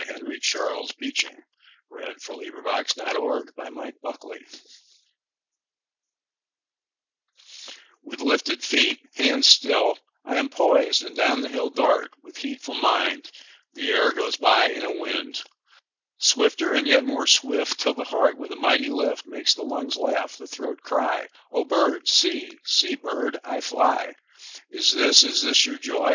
Henry Charles Beeching. 1859–1919 856. Going down Hill on a Bicycle A BOY'S SONG WITH lifted feet, hands still, I am poised, and down the hill Dart, with heedful mind; The air goes by in a wind. Swifter and yet more swift, 5 Till the heart with a mighty lift Makes the lungs laugh, the throat cry:— 'O bird, see; see, bird, I fly. 'Is this, is this your joy?